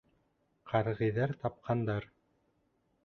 Ҡаргиҙәр тапҡандар.